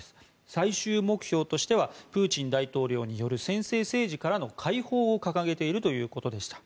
最終目標としてはプーチン大統領による専制政治からの解放を掲げているということでした。